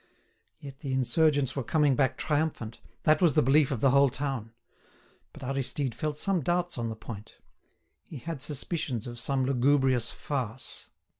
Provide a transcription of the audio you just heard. Yet the insurgents were coming back triumphant, that was the belief of the whole town. But Aristide felt some doubts on the point; he had suspicions of some lugubrious farce.